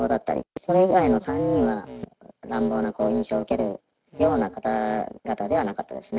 それ以外の３人は、乱暴な印象を受けるような方々ではなかったですね。